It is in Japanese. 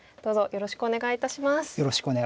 よろしくお願いします。